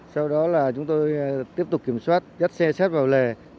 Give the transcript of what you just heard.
sau đó là chúng tôi tiếp tục kiểm soát dắt xe sát vào lề